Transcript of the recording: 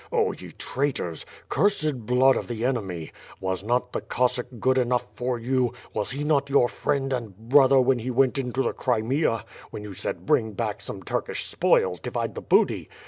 Oh, ye traitors! Cursed blood of the enemy! Was not the (^ossack good enough for you, wa^ he not your friend and brother when he went into the Crimea, when you said ^brinfj back some Turkish spoils. Divide the booty.'